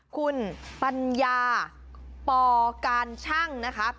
คุณปัญญาปการชั่งนะคะ